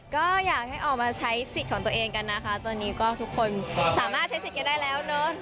ก็อยากให้ออกมาใช้สิทธิ์ของตัวเองกันนะคะตอนนี้ก็ทุกคนสามารถใช้สิทธิ์กันได้แล้วเนอะ